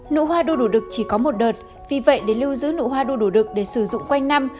nụ hoa đủ đực chỉ có một đợt vì vậy để lưu giữ nụ hoa đua đủ đực để sử dụng quanh năm